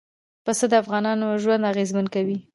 پسه د افغانانو ژوند اغېزمن کوي.